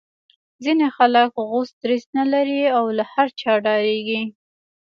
ځینې خلک غوڅ دریځ نه لري او له هر چا ډاریږي